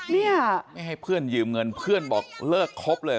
เนี่ยไม่ให้เพื่อนยืมเงินเพื่อนบอกเลิกครบเลย